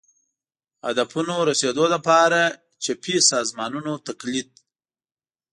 هدفونو رسېدو لپاره چپي سازمانونو تقلید